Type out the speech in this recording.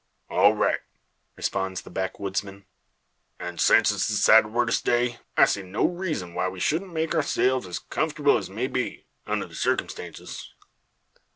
"All right," responds the backwoodsman. "An' since it's decided we're to stay, I see no reezun why we shedn't make ourselves as comfortable as may be unner the circumstances.